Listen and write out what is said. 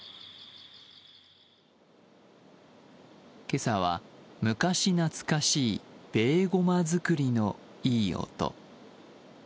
今朝は、昔懐かしいベーゴマ作りのいい音。